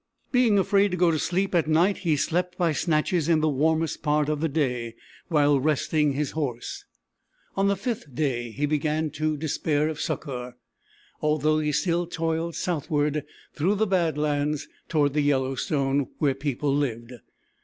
Being afraid to go to sleep at night, he slept by snatches in the warmest part of the day, while resting his horse. On the 5th day he began to despair of succor, although he still toiled southward through the bad lands toward the Yellowstone, where people lived.